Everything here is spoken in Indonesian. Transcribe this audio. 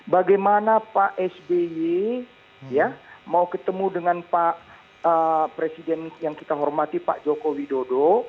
bagaimana pak sby mau ketemu dengan pak presiden yang kita hormati pak joko widodo